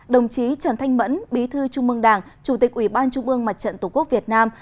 đồng chí trần thanh mẫn bí thư trung mương đảng chủ tịch ủy ban trung ương mặt trận tổ quốc việt nam